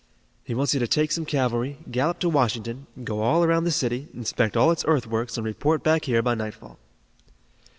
"He wants you to take some cavalry, gallop to Washington, go all around the city, inspect all its earthworks and report back here by nightfall."